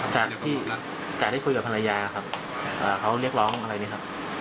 จากที่การได้คุยกับภรรยาครับเขาเรียกร้องอะไรไหมครับ